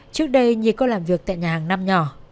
trước đây nhi có làm việc tại nhà hàng năm nhỏ